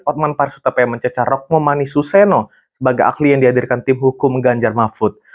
otman parasuta pemencecah rokmumani suseno sebagai akli yang dihadirkan tim hukum ganjar mafud